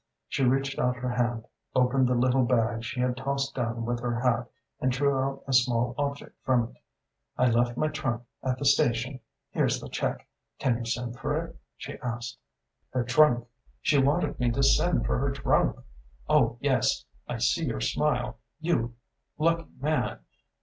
"She reached out her hand, opened the little bag she had tossed down with her hat, and drew a small object from it. 'I left my trunk at the station. Here's the check. Can you send for it?' she asked. "Her trunk she wanted me to send for her trunk! Oh, yes I see your smile, your 'lucky man!